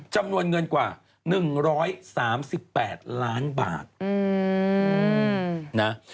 จำนวนเงินกว่า๑๓๘ล้านบาทนะ